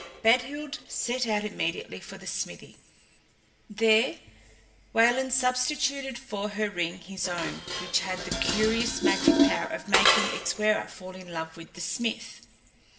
Badhild set out immediately for the smithy. There Wayland substituted for her ring his own, which had the curious magic power of making its wearer fall in love with the smith.